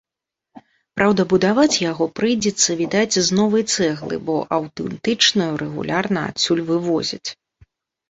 Праўда, будаваць яго прыйдзецца, відаць, з новай цэглы, бо аўтэнтычную рэгулярна адсюль вывозяць.